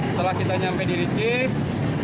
setelah kita sampai di ricis